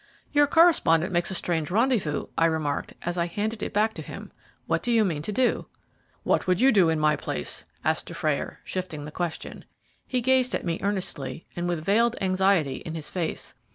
"Your correspondent makes a strange rendezvous," I remarked, as I handed it back to him. "What do you mean to do?" "What would you do in my place?" asked Dufrayer, shifting the question. He gazed at me earnestly, and with veiled anxiety in his face.